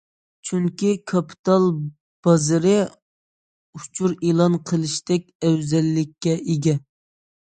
چۈنكى كاپىتال بازىرى ئۇچۇر ئېلان قىلىشتەك ئەۋزەللىككە ئىگە.